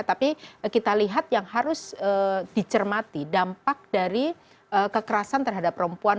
tapi kita lihat yang harus dicermati dampak dari kekerasan terhadap perempuan